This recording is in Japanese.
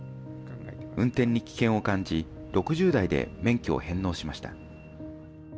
運転に危険を感じ、６０代で免許を返納しました。